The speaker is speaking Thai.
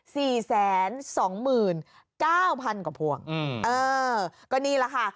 สี่แสนสองหมื่นเก้าพันกว่าพวงอืมเออก็นี่แหละค่ะ